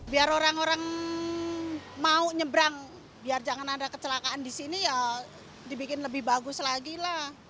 biar orang orang mau nyebrang biar jangan ada kecelakaan di sini ya dibikin lebih bagus lagi lah